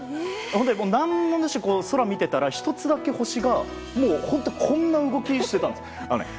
何もなしに空を見ていたら１つだけ星がもう本当こんな動きしていたんです。